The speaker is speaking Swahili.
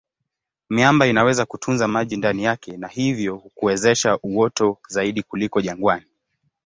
Miamba inaweza kutunza maji ndani yake na hivyo kuwezesha uoto zaidi kuliko jangwani.